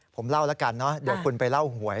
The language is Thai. ผมเล่ากันถ้าโกสังเกตไปเล่าหวย